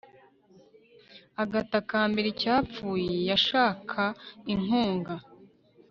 agatakambira icyapfuye; yashaka inkunga